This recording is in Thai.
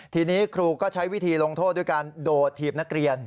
ทีนี้ครูก็ใช้วิธีลงโทษด้วยการโดดถีบนักเรียน